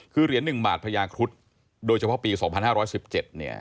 คือเหรียญหนึ่งบาทพระยาครุฑโดยเฉพาะปี๒๕๑๗